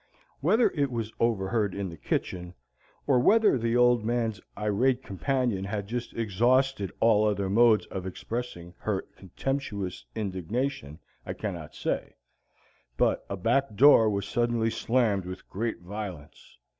Whether it was overheard in the kitchen, or whether the Old Man's irate companion had just then exhausted all other modes of expressing her contemptuous indignation, I cannot say, but a back door was suddenly slammed with great violence.